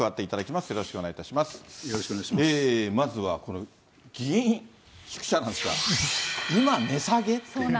まずはこの議員宿舎なんですが、今値下げ？っていう。